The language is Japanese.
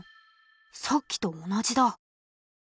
さっきと同じだ。